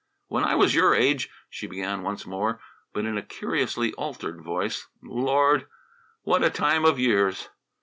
"When I was your age," she began once more, but in a curiously altered voice "Lord! What a time of years!"